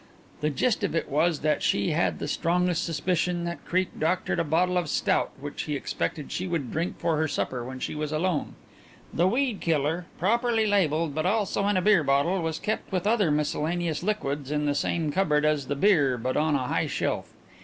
The gist of it was that she had the strongest suspicion that Creake doctored a bottle of stout which he expected she would drink for her supper when she was alone. The weed killer, properly labelled, but also in a beer bottle, was kept with other miscellaneous liquids in the same cupboard as the beer but on a high shelf.